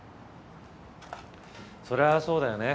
そりゃそうだよね。